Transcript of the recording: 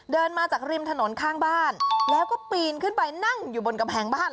เดินมาจากริมถนนข้างบ้านแล้วก็ปีนขึ้นไปนั่งอยู่บนกำแพงบ้าน